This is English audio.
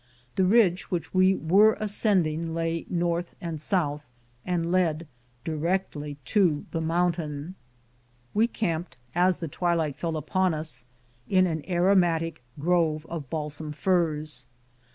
The ridge which we were ascending lay north and south, and led directly up to the mountain. We camped, as the twilight fell upon us, in an aro I "3 MOUNT RAINIER matic grove of balsam firs.